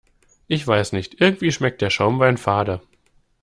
Ich weiß nicht, irgendwie schmeckt der Schaumwein fade.